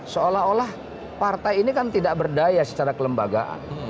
seolah olah partai ini kan tidak berdaya secara kelembagaan